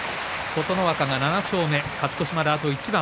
琴ノ若が７勝目、勝ち越しまであと一番。